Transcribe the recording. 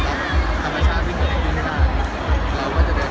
ก็คือความคิดยอดก็ต้องยอมเรียบร้อยแน่นอน